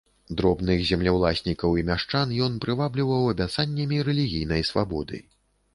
Дробных землеўласнікаў і мяшчан ён прывабліваў абяцаннямі рэлігійнай свабоды.